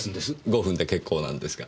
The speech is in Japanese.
５分で結構なんですが。